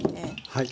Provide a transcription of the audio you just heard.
はい。